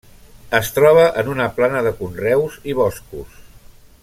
Es troba en una plana de conreus i boscos.